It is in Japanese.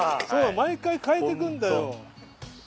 そうだ毎回変えてくんだよ。